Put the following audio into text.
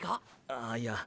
ああいや。